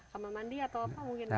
sama mandi atau apa mungkin